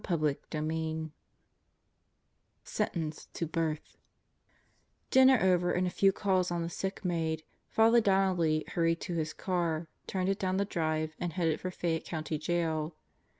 CHAPTER FOUR Sentenced to Birth DINNER over and a few calls on the sick made, Father Donnelly hurried to his car, turned it down the drive and headed for Fayette County Jail.